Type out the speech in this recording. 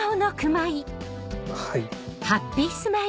はい。